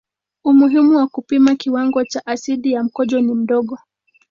Umuhimu wa kupima kiwango cha asidi ya mkojo ni mdogo.